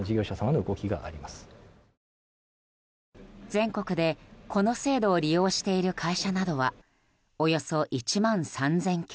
全国でこの制度を利用している会社などはおよそ１万３０００件。